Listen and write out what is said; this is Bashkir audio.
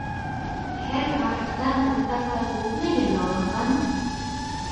Һәр һарыҡтан уртаса күпме йөн алынған?